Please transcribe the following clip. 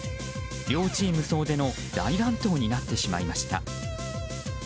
両チーム総出の大乱闘になってしまいました。